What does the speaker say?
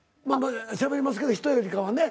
しゃべりますけど人よりかはね。